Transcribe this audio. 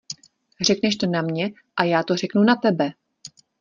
Řekneš to na mě a já to řeknu na tebe!